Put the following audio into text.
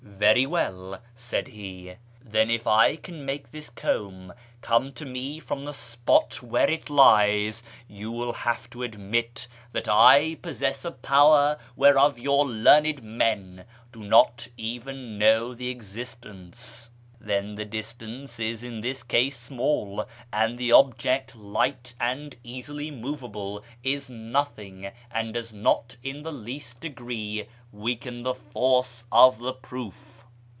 " Very well," said he, " then if I can make this comb come to me from the spot where it lies, you wall have to admit that I possess a power whereof your learned men do not even know the existence. That the distance is in this case small, and the object light and easily movable, is nothing, and does not in the least degree weaken the force of the proof.